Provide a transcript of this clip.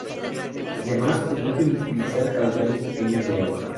Además, permite utilizar caudales pequeños de agua.